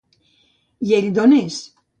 I ell d'on és?